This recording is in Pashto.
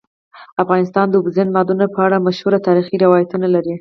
افغانستان د اوبزین معدنونه په اړه مشهور تاریخی روایتونه لري.